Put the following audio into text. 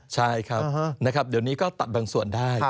ใช่ครับนะครับเดี๋ยวนี้ก็ตัดบางส่วนได้